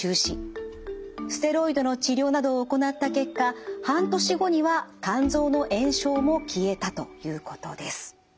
ステロイドの治療などを行った結果半年後には肝臓の炎症も消えたということです。